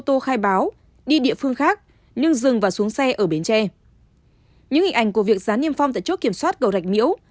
ở bến tre những hình ảnh của việc rán niêm phong tại chỗ kiểm soát cầu rạch miễu